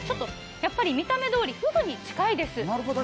やっぱり見た目どおり、ふぐに近いです。